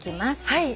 はい。